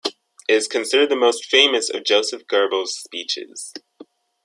It is considered the most famous of Joseph Goebbels's speeches.